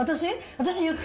私言った？